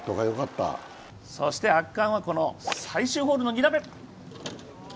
そして圧巻はこの最終ホールの２打目。